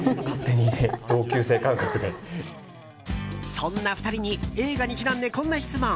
そんな２人に映画にちなんで、こんな質問。